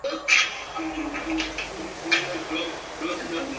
Las cubiertas solían ser de un papel más fuerte teñido de azul oscuro.